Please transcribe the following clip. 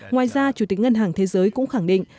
ngoài ra chủ tịch ngân hàng thế giới cũng khẳng định